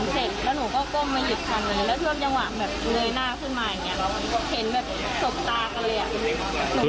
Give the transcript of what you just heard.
แล้วเชื่อมยังหวังเหลยหน้าขึ้นมาอย่างนี้ก็เห็นสกตากันเลย